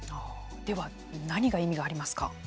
では何が意味がありますか。